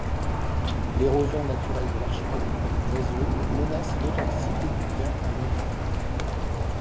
L'érosion naturelle de l'architecture gréseuse menace l'authenticité du bien à long terme.